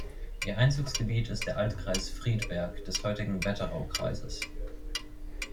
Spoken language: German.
Ihr Einzugsgebiet ist der Altkreis Friedberg des heutigen Wetteraukreises.